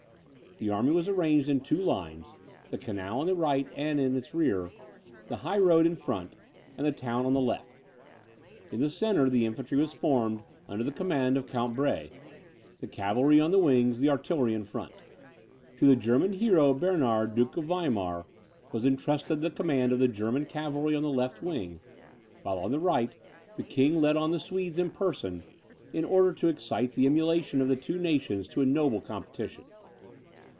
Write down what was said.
The army was arranged in two lines, the canal on the right and in its rear, the high road in front, and the town on the left. In the centre, the infantry was formed, under the command of Count Brahe; the cavalry on the wings; the artillery in front. To the German hero, Bernard, Duke of Weimar, was intrusted the command of the German cavalry of the left wing; while, on the right, the king led on the Swedes in person, in order to excite the emulation of the two nations to a noble competition.